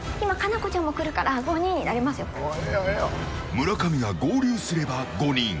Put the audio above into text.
村上が合流すれば５人。